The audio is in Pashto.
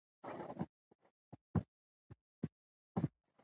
ښوونکي باید ماشوم ته امنیت ورکړي.